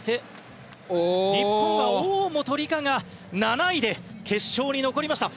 大本里佳が７位で決勝に残りました！